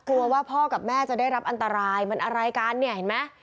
ว่าพ่อกับแม่จะได้รับอันตรายมันอะไรกันเนี่ยเห็นไหม